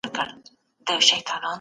د ټولني اصلاح څنګه ممکنه ده؟